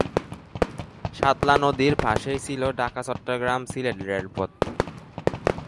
সালদা নদীর পাশেই ছিলো ঢাকা-চট্টগ্রাম-সিলেট রেলপথ।